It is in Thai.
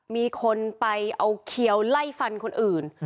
มีคนไปเอาเขียวไล่ฟันคนอื่น